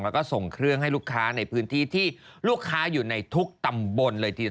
แล้วก็ส่งเครื่องให้ลูกค้าในพื้นที่ที่ลูกค้าอยู่ในทุกตำบลเลยทีเดียว